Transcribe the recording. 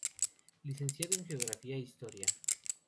Licenciado en Geografía e Historia.